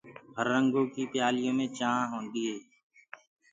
هررنگو ڪي پيآليو مين چآنه هوندي